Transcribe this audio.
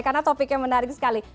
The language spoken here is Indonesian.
karena topiknya menarik sekali